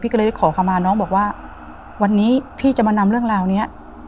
ก็เลยขอคำมาน้องบอกว่าวันนี้พี่จะมานำเรื่องราวนี้